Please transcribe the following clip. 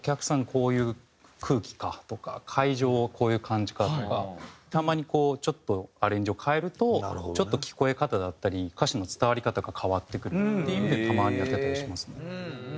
こういう空気かとか会場はこういう感じかとかたまにこうちょっとアレンジを変えるとちょっと聞こえ方だったり歌詞の伝わり方が変わってくるっていう意味でたまにやったりとかしますね。